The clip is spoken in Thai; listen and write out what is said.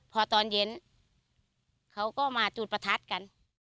พอตอนเย็นเขาก็มาจุดประทัดกัน